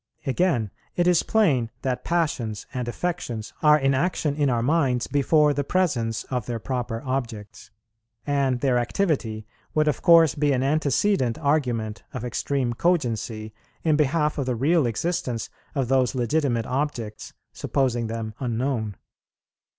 Again, it is plain that passions and affections are in action in our minds before the presence of their proper objects; and their activity would of course be an antecedent argument of extreme cogency in behalf of the real existence of those legitimate objects, supposing them unknown.